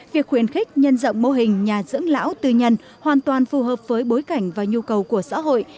việc khuyến khích nhân dọng mô hình nhà dưỡng lão tư nhân hoàn toàn phù hợp với bối cảnh và nhu cầu của xã hội